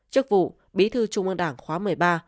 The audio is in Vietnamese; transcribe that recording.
chức vụ bí thư trung ương đảng khóa một mươi ba